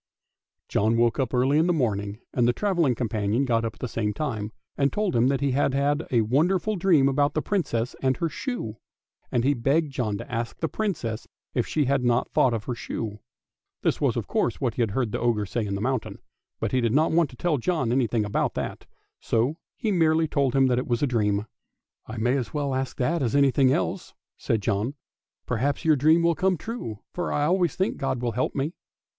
John woke up early in the morning, and the travelling companion got up at the same time, and told him that he had had a wonderful dream about the Princess and her shoe; and he begged John to ask the Princess if she had not thought of her shoe. This was of course what he had heard the ogre say in the mountain, but he did not want to tell John anything about that, and so he merely told him it was a dream. " I may just as well ask that as anything else! " said John. " perhaps your dream will come true, for I always think God will help me!